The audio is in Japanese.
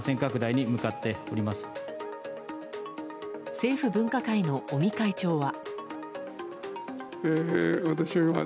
政府分科会の尾身会長は。